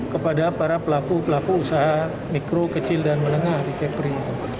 kepada para pelaku pelaku usaha mikro kecil dan menengah di kepri